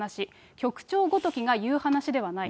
局長ごときが言う話ではない。